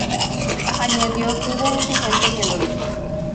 Añadió que hubo mucha gente que lo hizo.